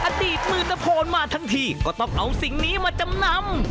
อดีตมือตะโพนมาทั้งทีก็ต้องเอาสิ่งนี้มาจำนำ